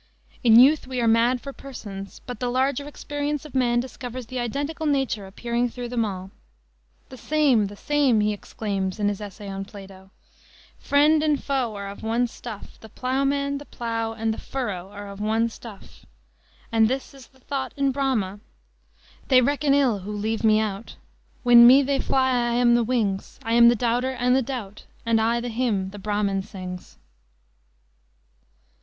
"In youth we are mad for persons. But the larger experience of man discovers the identical nature appearing through them all." "The same the same!" he exclaims in his essay on Plato. "Friend and foe are of one stuff; the plowman, the plow and the furrow are of one stuff." And this is the thought in Brahma: "They reckon ill who leave me out; When me they fly I am the wings: I am the doubter and the doubt, And I the hymn the Brahmin sings."